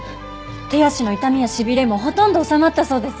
手足の痛みや痺れもほとんど治まったそうです。